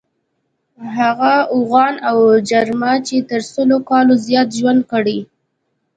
هغه اوغان او جرما چې تر سلو کالو زیات ژوند کړی.